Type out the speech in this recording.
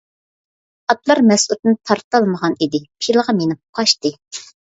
ئاتلار مەسئۇدنى تارتالمىغان ئىدى، پىلغا مىنىپ قاچتى.